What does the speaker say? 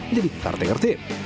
menjadi caretaker tim